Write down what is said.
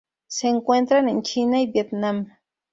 Se encuentran en China y Vietnam.